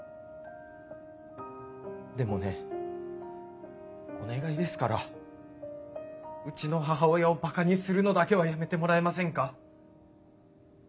でもねお願いですからうちの母親をばかにするのだけはやめてもらえませんか。